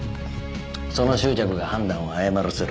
その執着が判断を誤らせる。